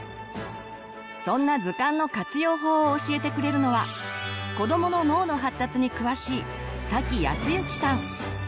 そんな図鑑の活用法を教えてくれるのは子どもの脳の発達に詳しい瀧靖之さん。